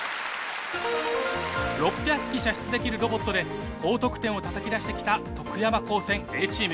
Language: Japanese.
６００機射出できるロボットで高得点をたたき出してきた徳山高専Ａチーム。